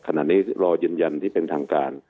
ขณะนี้รอยืนยันที่เป็นทางการ